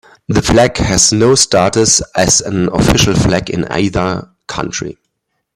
The flag has no status as an official flag in either country.